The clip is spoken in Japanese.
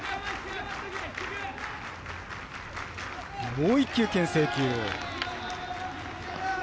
もう一球、けん制球。